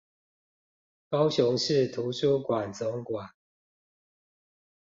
高雄市圖書館總館